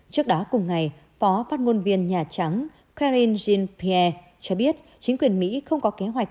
trước đó cùng ngày phó phát ngôn viên nhà trắng kharen jean pierre cho biết chính quyền mỹ không có kế hoạch